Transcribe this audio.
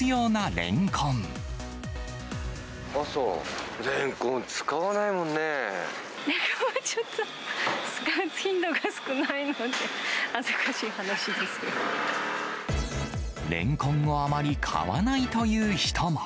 レンコンはちょっと、使う頻度が少ないので、レンコンをあまり買わないという人も。